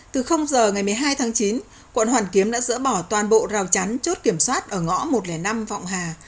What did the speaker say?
từ giờ ngày một mươi hai tháng chín quận hoàn kiếm đã dỡ bỏ toàn bộ rào chắn chốt kiểm soát ở ngõ một trăm linh năm vọng hà